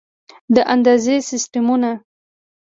د اندازې سیسټمونه